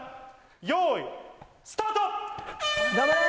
よいスタート！